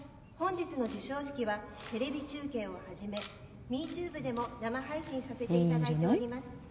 本日の授賞式はテレビ中継をはじめミーチューブでも生配信させていただいております。